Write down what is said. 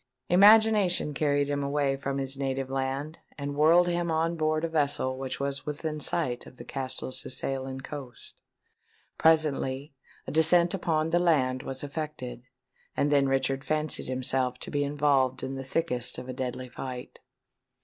Imagination carried him away from his native land, and whirled him on board a vessel which was within sight of the Castelcicalan coasts. Presently a descent upon the land was effected; and then Richard fancied himself to be involved in the thickest of a deadly fight.